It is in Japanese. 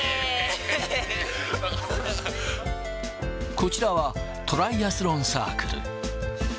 こちらは、トライアスロンサークル。